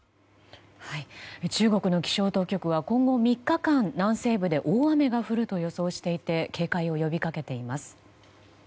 中国の気象当局は今後３日間南西部で大雨が降ると予想していて警戒を呼びかけています。